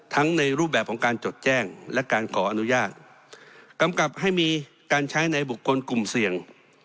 ในรูปแบบของการจดแจ้งและการขออนุญาตกำกับให้มีการใช้ในบุคคลกลุ่มเสี่ยง